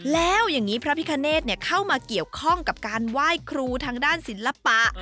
แล้วอย่างนี้พระพิคเนธเข้ามาเกี่ยวข้องกับการไหว้ครูทางด้านศิลปะ